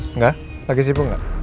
enggak lagi sibuk gak